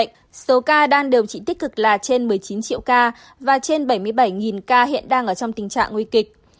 trong một ngày qua mỹ đã thỏa bệnh số ca đang điều trị tích cực là trên một mươi chín triệu ca và trên bảy mươi bảy ca hiện đang ở trong tình trạng nguy kịch